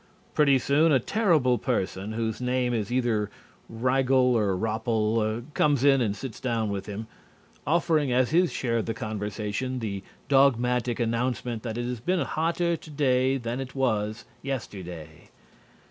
Pretty soon a terrible person whose name is either Riegle or Ropple comes and sits down with him, offering as his share of the conversation the dogmatic announcement that it has been hotter today than it was yesterday.